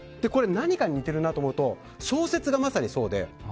何かに似ているなと思ったら小説がまさにそうで。